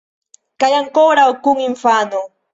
Kaj ankoraŭ kun infano!